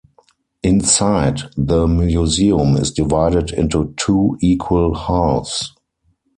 Inside, the Museum is divided into two equal halves.